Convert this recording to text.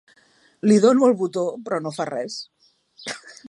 Li dono al botó però no fa res.